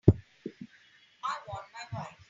I want my wife.